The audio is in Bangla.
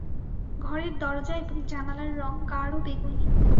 ঘরের দরজা এবং জানালার রঙ গাঢ় বেগুনি।